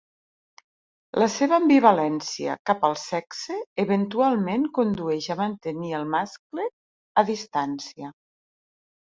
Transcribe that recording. La seva ambivalència cap al sexe eventualment condueix a mantenir el mascle a distància.